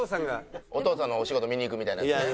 お父さんのお仕事見に行くみたいなやつね。